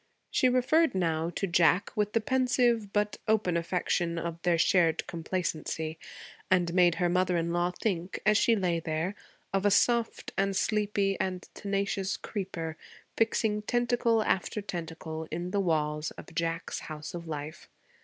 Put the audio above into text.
She referred now to Jack with the pensive but open affection of their shared complacency, and made her mother in law think, as she lay there, of a soft and sleepy and tenacious creeper, fixing tentacle after tentacle in the walls of Jack's house of life.